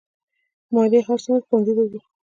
ماريه هر سهار ښوونځي ته ځي